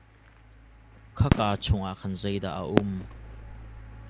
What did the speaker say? Kha kaa chung ah khan zei dah a um?